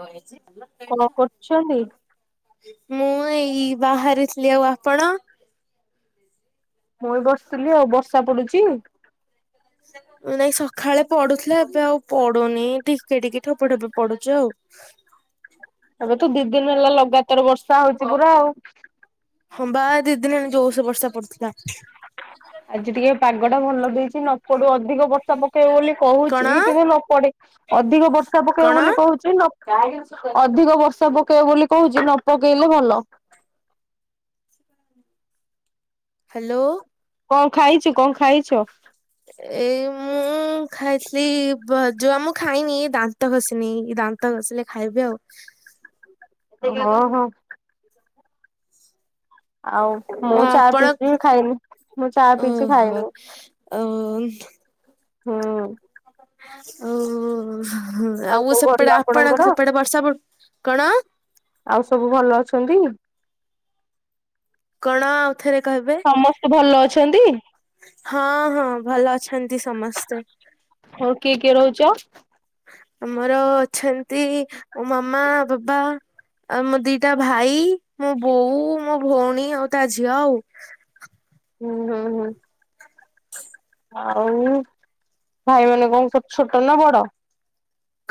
କଣ କଣ ହେଇଚି? କରୁଛନ୍ତି? ମୁଁ ଏଇ ବାହାରିଥିଲି ଆଉ ଆପଣ? ମୁଇ ବି ବସିଥିଲି ଆଉ ବର୍ଷା ପଡୁଛି। ସେ। ନାଇ ସକାଳେ ପଢୁଥିଲା ଏବେ ଆଉ ପଡୁନି ଟିକେ ଟିକେ ଠୋପେ ଠୋପେ ପଢୁଛି ଆଉ। ଏବେ ତ ଦି ଦିନ ହେଲା ଲଗାତାର ବର୍ଷା ହଉଛି ପୁରା ଆଉ। ହଁବା ଦି ଦିନ ହେଲାଣି ଜୋରସେ ବର୍ଷା ପଡୁଥିଲା। ଆଜି ଟିକେ ପାଗଟା ଭଲ ଦେଇଛି ନ ପଡୁ ଅଧିକ ବର୍ଷା ପକେଇବ ବୋଲି କଣ କହୁଛି କିନ୍ତୁ ନ ପଡେ ଅଧିକ ବର୍ଷା କଣ? ପକେଇବ ବୋଲି କହୁଛି। ଅଧିକ ବର୍ଷା ପକେଇବ ବୋଲି କହୁଛି ନ ପକେଇଲେ ଭଲ ହ୍ୟାଲୋ କଣ ଖାଇଛୁ କଣ ଖାଇଛ ଏଇ ମୁଁ ଖାଇଥିଲି ଯୁଆ ମୁଁ ଖାଇନି ଦାନ୍ତ ଘଷିନି ଦାନ୍ତ ତ ଘସିଲେ ଖାଇବି ଆଉ ଓହୋ ଆଉ ମୁଁ ଆଉ ଚା ଆପଣ ପିଇକି ଖାଇନି। ମୁଁ ଚା ପିଇଛି ଓହୋ ଖାଇନି ଆଉ [inaudible] ହୁଁ ଓ ଆଉ ସବୁ ଭଲ ସେପଟେ ଆପଣଙ୍କର? ଆପଣଙ୍କ ସେପଟେ ବର୍ଷା କଣ ଆଉ ସବୁ ଭଲ ଅଛନ୍ତି। କଣ ଥରେ କହିବେ ସମସ୍ତେ ଭଲ ଅଛନ୍ତି? ହଁ ହଁ ଭଲ ଅଛନ୍ତି ସମସ୍ତେ ହଉ କିଏ କିଏ ରହୁଛ। ଆମର ଅଛନ୍ତି ମୋ ମାମା ବାବା ଆଉ ମୋ ଦିଟା ଭାଇ ମୋ ବୋଉ ମୋ ଭଉଣୀ ଆଉ ତା ଝିଅ ଆଉ ହୁଁ ହୁଁ ହୁଁ ଆଉ ଭାଇମାନେ କଣ କର ଛୋଟ ନା ବଡ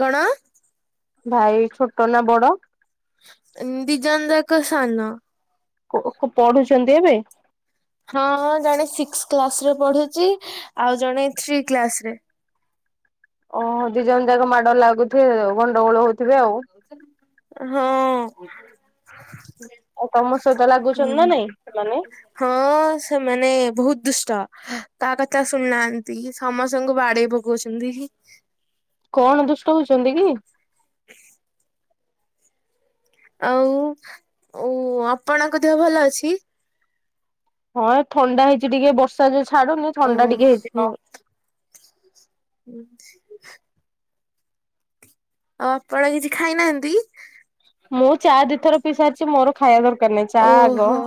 କଣ ଭାଇ ଛୋଟ ନା ବଡ ଦିଜଣ ଯାକ ସାନ ପଢୁଛନ୍ତି ଏବେ ହଁ ଜଣେ ସିକ୍ସ କ୍ଲାସରେ ପଢୁଛି ଆଉ ଜଣେ ଥ୍ରୀ କ୍ଲାରେ ଓହୋ ଦି ଜଣ ଯାକ ମାଡ ଲାଗୁଥିବେ ଗଣ୍ଡଗୋଳ ହଉଥିବେ ଆଉ ହଁ ଆଉ ତମ ସହିତ ଲାଗୁଛନ୍ତି ନା ଓହୋ। ନାଇଁ ମାନେ ହଁ ସେମାନେ ବହୁତ ଦୁଷ୍ଟ କାହା କଥା ଶୁଣିନାହାନ୍ତି ସମସ୍ତଙ୍କୁ ବାଡେଇ ପ କହୁଛନ୍ତି। କଣ ଦୁଷ୍ଟ ହଉଛନ୍ତି କି? [inaudible] ଆଉ ଆପଣଙ୍କ ଦେହ ଭଲ ଅଛି? ହଁ ଏ ଥଣ୍ଡା ହେଇଛି ଟିକେ ବର୍ଷା ଯୋଉ ଛାଡୁନି ଥଣ୍ଡା ଟିକେ ହେଇଛି ଓହୋ। ହଁ। [inaudible] ଆଉ ଆପଣ କିଛି ଖାଇନାହାନ୍ତି? ମୁଁ ଚା ଦିଇଥର ପି ସାରିଛି ମୋର ଖାଇବା ଦରକାର ନାହିଁ ଚା ଆଗ। ଓହୋ।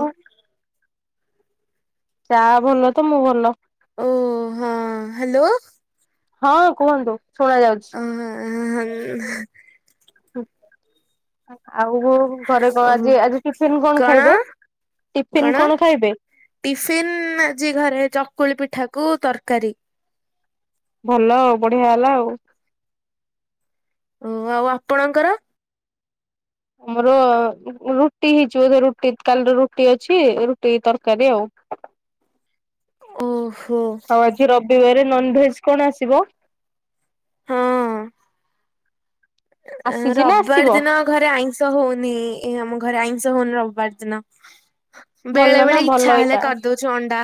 ଚା ଭଲ ତ ମୁଁ ଭଲ। ଓ ହଁ ହ୍ୟାଲୋ। ହଁ କୁହନ୍ତୁ ଶୁଣାଯାଉଛି। [unintelligible] ଆଉ ଘରେ କ ଆଜି ଆଜି ଟିଫିନ କଣ ଖାଇବେ? ଟିଫିିନ କଣ ଖାଇବେ? ଟିଫିିନ ଆଜି ଘରେ ଚକୁଳି ପିଠାକୁ ତରକାରୀ। ଭଲ ଆଉ ବଢିଆ ହେଲା ଆଉ ଓ ଆଉ ଆପଣଙ୍କର? ଆମର ରୁଟି ହେଇଯିବ ବୋଧ ରୁଟି କାଲିର ରୁଟି ଅଛି ରୁଟି ତରକାରୀ ଆଉ। ଓହୋ। ଆଉ ଆଜି ରବିବାର ନନଭେଜ କଣ ଆସିବ? ହଁ। ଆସିଛି ନା ଆସିବ ରବିବାର ଦିନ ଘରେ ଆଇଁଷ ହଉନି ଏ ଆମ ଘରେ ଆଇଁଷ ହଉନି ରବିବାର ଦିନ। ଭଲ ବେଳେ ନା ବେଳେ ଭଲ ଇଚ୍ଛା ହେଲେ ଏଇଟା କରିଦଉଛୁ ଅଣ୍ଡା।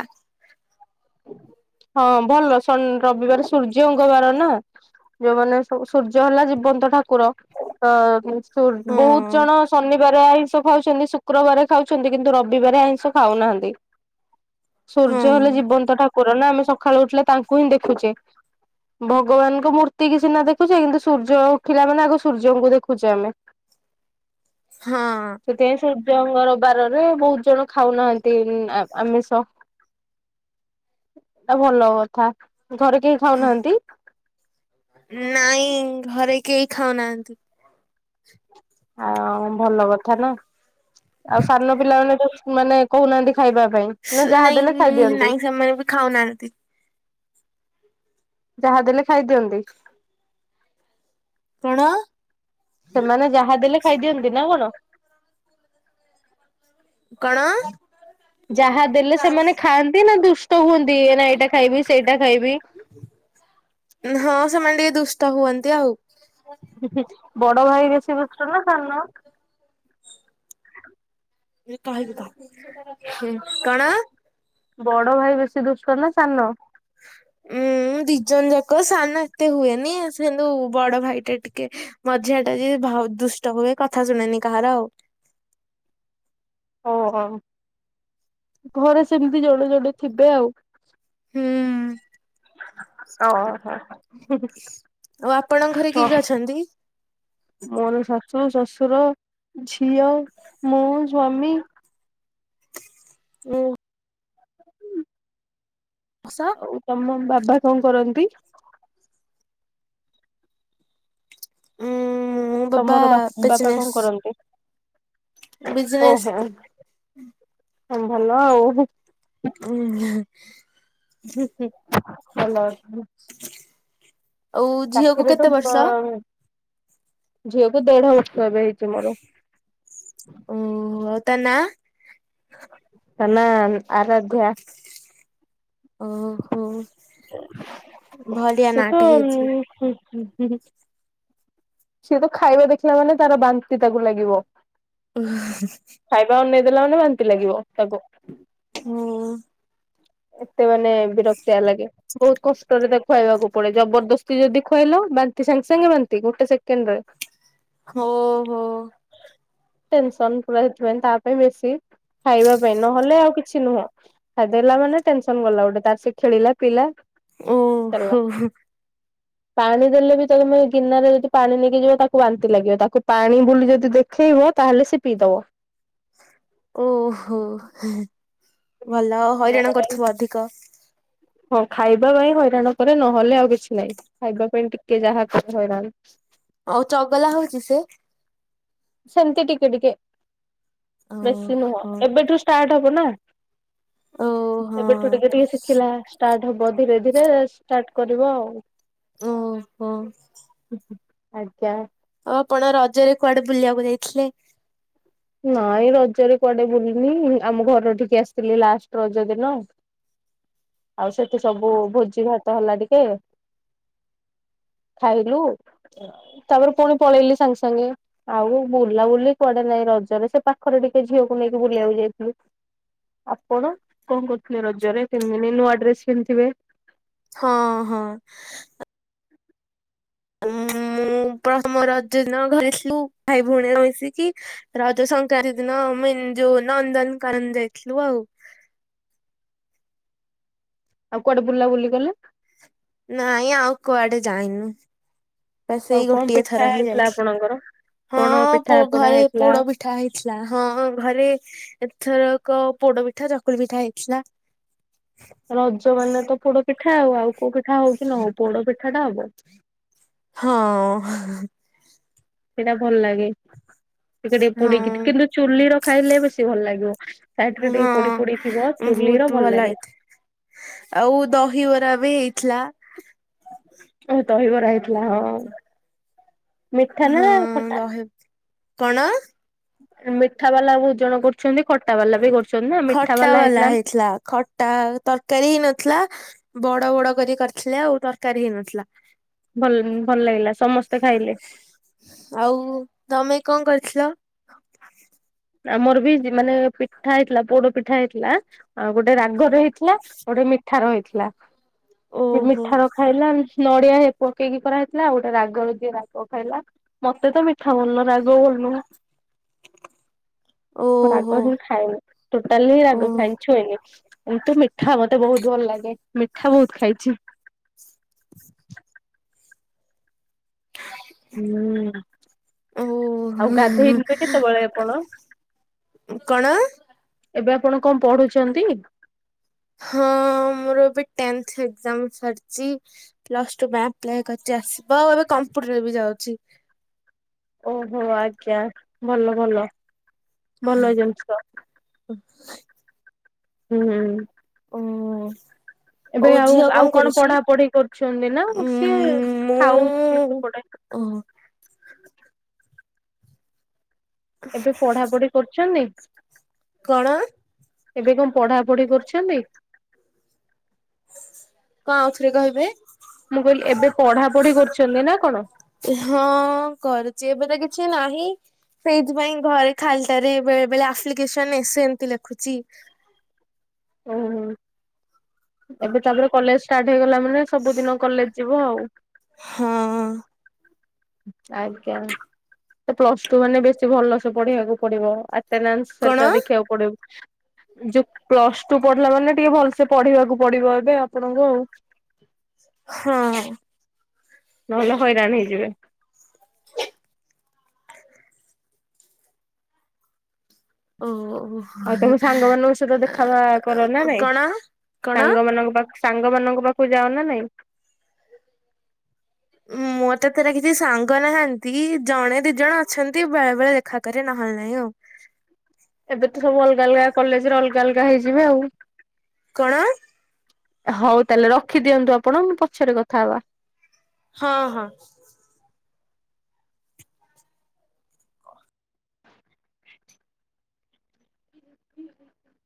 ହଁ ଭଲ ଶନ ରବିବାର ସୂର୍ଯ୍ୟଙ୍ଗବାର ନା। ଯୋଉମାନେ ସୂର୍ଯ୍ୟ ହେଲା ଜୀବନ୍ତ ଠାକୁର। ଅ ହଁ ବହୁତ ଜଣ ଶନିବାର ଆଇଁଷ ଖାଉଛନ୍ତି ଶୁକ୍ରବାର ଖାଉଛନ୍ତି କିନ୍ତୁ ରବିବାର ଆଇଁଷ ଖାଉନାହାନ୍ତି ସୂର୍ଯ୍ୟ ହଁ ହେଲେ ଜୀବନ୍ତ। ଠାକୁର ଆମେ ସକାଳୁ ଉଠିଲେ ତାଙ୍କୁ ହିଁ ଦେଖୁଛେ। ଭଗବାନଙ୍କ ମୂର୍ତ୍ତି କି ସିନା ଦେଖୁଛେ କିନ୍ତୁ ସୂର୍ଯ୍ୟ ଉଠିଲା ମାନେ ଆଗ ସୂର୍ଯ୍ୟଙ୍କୁ ଦେଖୁଛେ ଆମେ। ହଁ। ସେଥିପାଇଁ ସୂର୍ଯ୍ୟଙ୍ଗରବାରରେ ବହୁତ ଜଣ ଖାଉନାହାନ୍ତି ଆମିଷ। ଏଟା ଭଲ କଥା ଘରେ କେହି ଖାଉନାହାନ୍ତି? ନାଇଁ ଘରେ କେହି ଖାଉ ନାହାନ୍ତି। ଆଉ ଭଲ କଥା ନା। ଆଉ ସାନ ପିଲାମାନୋନେ ତ ମାନେ କହୁନାହାନ୍ତି ଖାଇବା ପାଇଁ। ନା ଯାହା ଦେଲେ ନାଇଁ ଖାଇଦିଅନ୍ତି। ନାଇଁ ସେମାନେ ବି ଖାଉନାହାନ୍ତି। ଯାହା ଦେଲେ ଖାଇ ଦିଅନ୍ତି। ତଣ। ସେମାନେ ଯାହା ଦେଲେ ଖାଇଦିଅନ୍ତି ନା କଣ? କଣ ଯାହା ଦେଲେ ସେମାନେ ଖାଆନ୍ତି ନା ଦୁ। ତ ହୁଅନ୍ତି ନା ଏଇଟା ଖାଇବି ସେଇଟା ଖାଇବି। ହଁ ସେମାନେ ଟିକେ ଦୁଷ୍ଟ ହୁଅନ୍ତି ଆଉ। ବଡ ଭାଇ ବେଶୀ ବୁଷ୍ଟ ନା ସାନ। କଣ? ବଡ ଭାଇ ବେଶୀ ଦୁଷ୍କ ନା ସାନ? ଉଁ ହଁ ଦି ଜଣ ଯାକ ସାନ ଏତେ ହୁଏନି ସେନ୍ତୁ ବଡ ଭାଇ ଟେ ଟିକେ ମଝିଆଟା ଯେ ଭ ଦୁଷ୍ଟ ହୁଏ କଥା ଶୁଣେନି କାହାର ଆଉ। ଓ ଘରେ ସେମିତି ଜଣେ ଜଣେ ଥିବେ ଆଉ। ହୁଁ। ଓହୋ ହୁଁ ହୁଁ। ଓ ଆପଣଙ୍କ ଘରେ କିଏ କିଏ ଅଛନ୍ତି? ଶୁ ଶଶୁର ଝିଅ ମୁଁ ସ୍ଵାମୀ। ହୁଁ। ହୁଁ। ଓଶ। ଓ ତମ ବାବା କଣ କରନ୍ତି? ଉଁ ମୋ ବାବା ତମର ବା ବାପା ବିଜନେସ୍ କଣ କରନ୍ତି? ବିଜନେସ୍ ଓହୋ ଭଲ ଆଉ। ଓହୁଁ। ହୁଁ ହୁଁ ଭଲ ଅଛି। ଆଉ ଝିଅକୁ ଚାକିରି ତ କେତେ ବର୍ଷ? ଝିଅକୁ ଦେଢ ବର୍ଷ ଏବେ ହେଇଛି ମୋର। ଓ ହଉ ତା ନା। ତାନା ଆରାଧ୍ୟା। ଓହୋ। ବଢିଆ ସେ ନାଁଟେ ତ ହେଇଛି ହଁ ହୁଁ। ସିଏ ତ ଖାଇବା ଦେଖିଲା ମାନେ ତାର ବାନ୍ତି ତାକୁ ଲାଗିବ। ଓ। ଖାଇବା ଆଉ ନେଇଦେଲା ମାନେ ବାନ୍ତି ଲାଗିବ ତାକୁ। ହୁଁ। ଏତେ ମାନେ ବିରକ୍ତିଆ ଲାଗେ। ବହୁତ କଷ୍ଟରେ ତାକୁ ଖୁଆଇବାକୁ ପଡେ ଜବରଦସ୍ତି ଯଦି ଖୁଆଇଲ ବାନ୍ତି ସାଙ୍ଗେ ସାଙ୍ଗେ ବାନ୍ତି ଗୋଟେ ସେକେ କେଣ୍ଡ ରେ ଓହୋ। ଟେନସନ ପୁରା ହେଥିପାଇଁ ତା ପାଇଁ ବେଶୀ ଖାଇବା ପାଇଁ ନହେଲେ ଆଉ କିଛି ନୁହଁ। ଖାଇଦେଲା ମାନେ ଟେନସନ ଗଲା ଗୋଟେ ତାର ସେ ଖେଳିଲା ପିଲା। ଓହୋ ହୋ। ପାଣି ଦେଲେ ବି ତମେ ଗିନାରେ ଯଦି ପାଣି ନେଇକି ଯିବ ତାକୁ ବାନ୍ତି ଲାଗିବ ତାକୁ ପାଣି ବୁଲି ଯଦି ଦେଖେଇବ ତାହେଲେ ସେ ପିଇଦବ। ଓହୋ ଭଲ ହଇରାଣ ନହେଲେ କରୁଥିବ ଅଧିକ। ହଁ ଖାଇବା ପାଇଁ ହଇରାଣ କରେ ନହେଲେ ଆଉ କିଛି ନାହିଁ ଖାଇବା ପାଇଁ ଟିକେ ଯାହା କରେ ହଇରାଣ। ଆଉ ଚଗଲା ହଉଛି ସେ? ସେମିତି ଟିକେ ଟିକେ ବେଶି ନୁହଁ ଓହୋ ଏବେଠୁ ଷ୍ଟାର୍ଟ ହବ ନା। ଓହୋ ଏବେଠୁ ଟିକେ ଟିକେ ଶିଖିଲା ଷ୍ଟାର୍ଟ। ହବ ଧୀରେ ଧୀରେ ଷ୍ଟାର୍ଟ କରିବ ଆଉ। ଓହୋ। ଆଜ୍ଞା। ଆଉ ଆପଣ ରଜରେ କୁଆଡେ ବୁଲିବାକୁ ଯାଇଥିଲେ। ନାଇଁ ରଜରେ କୁଆଡେ ବୁଲିନି ଆମ ଘରଠିକି ଆସିଥିଲି ଲାଷ୍ଟ ରଜ ଦିନ। [inaudible] ଆଉ ସେଠି ସବୁ ଭୋଜିଭାତ ହେଲା ଟିକେ। ଖାଇଲୁ। ତାପରେ ପୁଣି ପଳେଇଲି ସାଙ୍ଗେ ସାଙ୍ଗେ ଆଉ ବୁଲାବୁଲି କୁଆଡେ ନାଇଁ ରଜ ସେ ପାଖରେ ଟିକେ ଝିଅକୁ ନେଇକି ବୁଲିବାକୁ ଯାଇଥିଲୁ ଆପଣ କଣ କରୁଥିଲେ ରଜରେ ତିନିଦିନି ନୂଆଡ୍ରେସ ପିନ୍ଧିଥିବେ? ହଁ ହଁ। ମୁଁ ପ୍ରଥମ ରଜଦିନ ଘରେ ଥିଲୁ ଭାଇ ଭଉଣୀ ମିଶିକି ରଜ ସଂକ୍ରାନ୍ତି ଦିନ ଆମେ ଯୋଉ ନନ୍ଦନକାନନ ଯାଇଥିଲୁ ଆଉ। ଆଉ କୁଆଡେ ବୁଲାବୁଲି କଲେ ନାଇଁ ଆଉ କୁଆଡେ ଯାଇନୁ ବା ଆଉ ସେଇ କଣ ଗୋଟିଏ ପିଠା ଥର ହିଁ ହେଇଥିଲା ଯାଇଛି ଆପଣଙ୍କର କଣ ପିଠା ହଁ ପଣା ଘରେ ହେଇଥିଲା? ପୋଡ ପଠ ପିଠା ହେଇଥିଲା ହଁ ହଁ ଘରେ ଏଥରକ ପୋଡ ପିଠା ଚକୁଳି ପିଠା ହେଇଥିଲା ରଜ ମାନେ ତ ପୋଡପିଠା ଆଉ ଆଉ କୋଉ ପିଠା ହଉ କି ନହେଉ ପୋଡପିଠା ଟା ହବ ହଁ ସେଇଟା ଭଲ ଲାଗେ ଟିକେ ଟିକେ ପୋଡିକି ହଁ କିନ୍ତୁ ଚୁଲିର ଖାଇଲେ ବେଶୀ ଭଲ ଲାଗିବ ସାଇଟରେ ଟିକେ ହଁ ପୋଡିପୋଡି ଥିବ ଚୁଲି ବହୁତ ର ଭଲ ଲାଗେ ହେଇଥିଲା ଆଉ ଦହିବରା ବି ହେଇଥିଲା ଆଜି ତହିବରା ହେଇଥିଲା ହଁ ମିଠା ନା ହଁ ଖଟା ଦହି କଣ ମିଠାବାଲା ଭୋଜନ କରୁଛନ୍ତି ଖଟାବାଲା ବି କରୁଛନ୍ତି ନା ମିଠାବାଲା ହେଇଥିଲା ଥିଲା ଖଟ୍ ତା ତରକାରୀ ହେଇ ନଥିଲା ବଡ ବଡ କରି କରିଥିଲେ ଆଉ ତରକାରୀ ହେଇନଥିଲା ଭଲ ଭଲ ଲାଗିଲା ସମସ୍ତେ ଖାଇଲେ ଆଉ ତମେ କଣ କରିଥିଲ ଆମର ବି ମାନେ ପିଠା ହେଇଥିଲା ପୋଡ ପିଠା ହେଇଥିଲା ଆଉ ଗୋଟେ ରାଗରେ ହେଇ ଗୋଟେ ମିଠାର ହେଇଥିଲା ସେ ଓହୋ ମିଠାର ଖାଇଲା ନଡିଆ ହେ ପକେଇକି କରାହେଇଥିଲା ଆଉ ଗୋଟେ ରାଗର ଯିଏ ରାଗ ଖାଇଲା ମତେ ତ ମିଠା ଭଲ ରାଗ ଭଲନୁହଁ ମୁଁ ରାଗ ଓହୋ ହିଁ ଖାଏନି ଟୋଟାଲି ଓ ରାଗ ଖାଏନି ଛୁଏନି କିନ୍ତୁ ମିଠା ମତେ ବହୁତ ଭଲ ଲାଗେ ମିଠା ବହୁତ ଖାଇଛି [unintelligible] ହୁଁ। ଓ ଆଉ ଗାଧେଇ ଜିବେ କେତେବେଳେ ଆପଣ। କଣ। ଏବେ ଆପଣ କଣ ପଢୁଛନ୍ତି। ହଁ ମୋର ଏବେ ଟେନ୍ଥ ଏକଜାମ୍ ସରିଛି। ପ୍ଲସ ଟୁ ଆପ୍ଲାଏ କରିଛି ଆସିବ ଆଉ ଏବେ କମ୍ପ୍ୟୁଟର ବି ଯାଉଛି। ଓହୋ ଆଜ୍ଞା ଭଲ ଭଲ ଭଲ ଜିନିଷ। ହଁ। ହୁଁ ହୁଁ। ହୁଁ। ଏବେ ଆଉ ଆଉ କଣ ପଢା ପଢି କରୁଛନ୍ତି ନା ଉଁ ସିଏ ଖାଉଛି ସେପଟେ। ଓ। ଏବେ ପଢାପଢି କରୁଛନ୍ତି। କଣ। ଏବେ କଣ ପଢା ପଢି କରୁଛନ୍ତି। କଣ ଆଉଥିରେ କହିବେ। ମୁଁ କହିଲି ଏବେ ପଢା ପଢି କରୁଛନ୍ତି ନା କଣ। ହଁ କରୁଛି ଏବେ ତ କିଛି ନାହିଁ। ସେଇଥିପାଇଁ ଘରେ ଖାଲଟାରେରେ ବେଳେ ବଳେ ଆପ୍ଲିକେସନ ଏସେ ଏମତି ଲେଖୁଛି। ଓହୋ ଏବେ ତାପରେ କଲେଜ ଷ୍ଟାର୍ଟ ହେଇଗଲା ମାନେ ସବୁଦିନ କଲେଜ। ଯିବ ଆଉ। ହଁ ଆଜ୍ଞା ପ୍ଲସ ଟୁ ମାନେ ବେଶୀ ଭଲ ସେ ପଢିବାକୁ ପଡିବ ଆଟେନାସ୍। କଣ? ସରକାର ଦେଖିବାକୁ ପଡିବ। ଯୋଉ ପ୍ଲସ ଟୁ ପଢିଲା ମାନେ ଟିକେ ଭଲସେ ପଢିବାକୁ ପଡିବ ଏବେ ଆପଣଙ୍କୁ ଆଉ। ହଁ। ନହେଲେ ହଇରାଣ ହେଇଯିବେ। ଓହହୋ। ଆଉ ତମ ସାଙ୍ଗମାନାନଙ୍କ ସହିତ ଦେଖା କର ନା ନାଇଁ କଣ କଣ? ସାଙ୍ଗମାନାନଙ୍କ ପାଖ ସାଙ୍ଗ ମାନଙ୍କ ପାଖକୁ ଯାଅ ନା ନାଇଁ? ମୋର ଏତେଟା କିଛି ସାଙ୍ଗ ନାହାନ୍ତି ଜଣେ ଦି ଜଣ ଅଛନ୍ତି ବେଳେ ବେଳେ ଦେଖାକରେ ନହେଲେ ନାହିଁ ଆଉ। ଏବେ ତ ସବୁ ଅଲଗା ଅଲଗା କଲେଜରେ ଅଲଗା ଅଲଗା ହେଇଯିବେ ଆଉ। କଣ? ହଉ ତାହେଲେ ରଖିଦିଅନ୍ତୁ ଆପଣ ପଛରେ କଥା ହବା। ହଁ ହଁ।